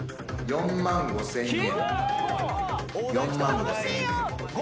４万５，０００円。